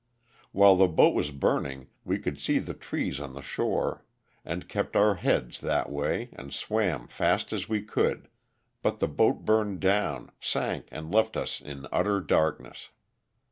While the boat was burn ing we could see the trees on the shore, and kept our heads that way and swam fast as we could, but the boat burned down, sank and left us in utter darkness.